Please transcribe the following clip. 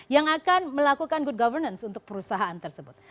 yang akan melakukan good governance untuk perusahaan tersebut